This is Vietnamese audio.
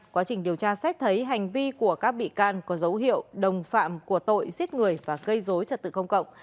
quá trình điều tra xét thấy hành vi của các bị can có dấu hiệu đồng phạm của tội giết người và gây dối trật tự công cộng